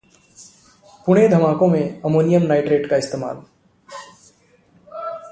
पुणे धमाकों में ammonium nitrate का इस्तेमाल